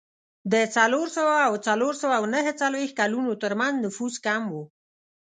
د څلور سوه او څلور سوه نهه څلوېښت کلونو ترمنځ نفوس کم و